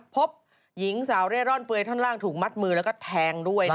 พบหญิงสาวเร่ร่อนเปลือยท่อนล่างถูกมัดมือแล้วก็แทงด้วย